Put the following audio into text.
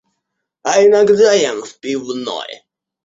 А иногда ем в пивной.